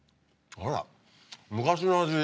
あら昔の味。